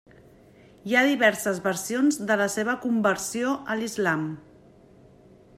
Hi ha diverses versions de la seva conversió a l'islam.